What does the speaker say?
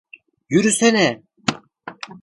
Yürüsene!